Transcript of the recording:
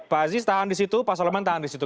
pak aziz tahan di situ pak soleman tahan di situ